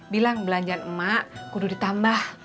bilang belanjaan emak kudu ditambah